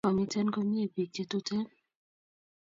mamiten komie pik che tuten